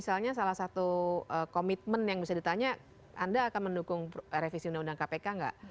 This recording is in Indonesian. misalnya salah satu komitmen yang bisa ditanya anda akan mendukung revisi undang undang kpk nggak